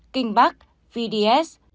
kinh bắc vds